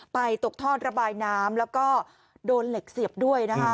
ไปตกทอดระบายน้ำแล้วก็โดนเหล็กเสียบด้วย